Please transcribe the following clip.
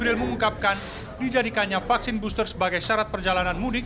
sril mengungkapkan dijadikannya vaksin booster sebagai syarat perjalanan mudik